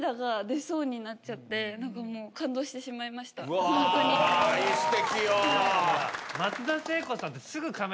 すてきよ。